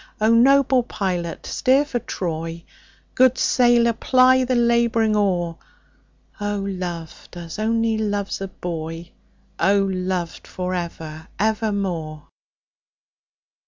O noble pilot steer for Troy, Good sailor ply the labouring oar,O loved as only loves a boy!O loved for ever evermore!